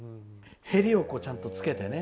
へりをちゃんとつけてね。